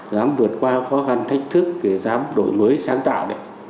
dám vượt qua khó khăn thách thức dám đổi mới sáng tạo đấy